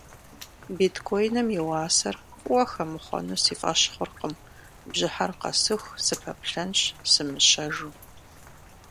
Биткоиным и уасэр фӏыуэ хэмыхъуэну си фӏэщ хъуркъым, бжьыхьэр къэсыху сыпэплъэнщ сымыщэжыу.